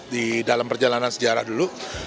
di dalam perjalanan sejarah dulu